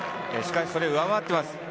しかしそれを上回っています。